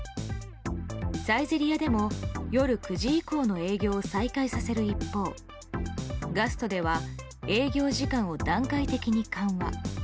サイゼリヤでも夜９時以降の営業を再開させる一方ガストでは営業時間を段階的に緩和。